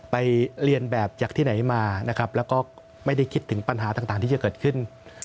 ไปเรียนแบบจากที่ไหนมานะครับแล้วก็ไม่ได้คิดถึงปัญหาต่างที่จะเกิดขึ้น